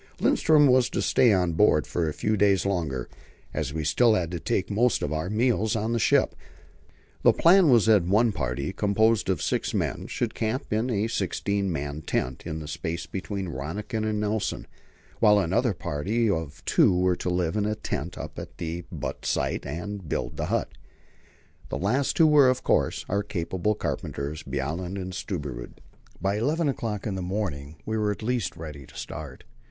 Lindström was to stay on board for a few days longer, as we still had to take most of our meals on the ship. The plan was that one party, composed of six men, should camp in a sixteen man tent in the space between Rönniken and Nelson, while another party of two were to live in a tent up at the but site and build the hut. The two last were, of course, our capable carpenters, Bjaaland and Stubberud. By eleven o'clock in the morning we were at last ready to start.